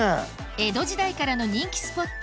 江戸時代からの人気スポット